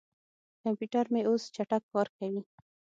کمپیوټر مې اوس چټک کار کوي.